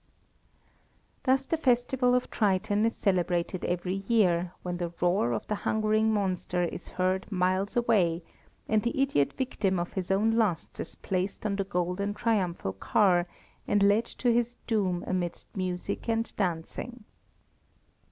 Thus the festival of Triton is celebrated every year, when the roar of the hungering monster is heard miles away, and the idiot victim of his own lusts is placed on the golden triumphal car, and led to his doom amidst music and dancing.